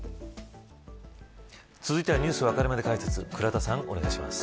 続いてはＮｅｗｓわかるまで解説倉田さん、お願いします。